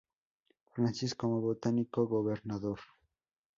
Francis como botánico gobernador.